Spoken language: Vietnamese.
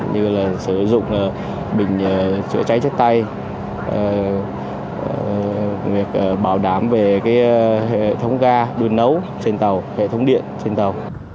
như là sử dụng bình chữa cháy chất tay việc bảo đảm về hệ thống ga đun nấu trên tàu hệ thống điện trên tàu